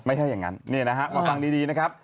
ไม่ใช่อย่างนั้นมาฟังดีนะครับ